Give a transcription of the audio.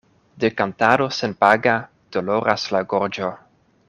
De kantado senpaga doloras la gorĝo.